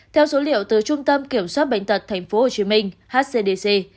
theo dấu hiệu từ trung tâm kiểm soát bệnh tật tp hcm hcdc